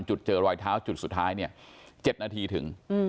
เจอรอยเท้าจุดสุดท้ายเนี่ย๗นาทีถึง